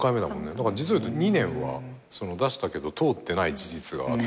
だから実を言うと２年は出したけど通ってない事実があって。